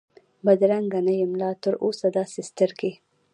بدرنګه نه یم لا تراوسه داسي سترګې،